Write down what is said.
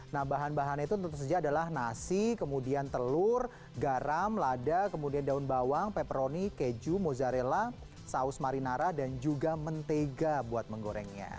nah bahan bahannya itu tentu saja adalah nasi kemudian telur garam lada kemudian daun bawang peperoni keju mozzarella saus marinara dan juga mentega buat menggorengnya